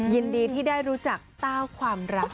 ยินดีที่ได้รู้จักเต้าความรัก